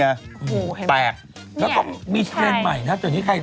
โอ้โฮเห็นไหมเนี่ยใช่แล้วก็มีเทรนด์ใหม่นะตอนนี้ใคร